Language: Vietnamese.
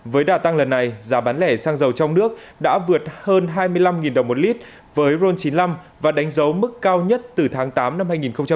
với đà tăng lần này giá bán lẻ xăng dầu trong nước đã vượt hơn hai mươi năm đồng một lít với ron chín mươi năm và đánh dấu mức cao nhất từ tháng tám năm hai nghìn hai mươi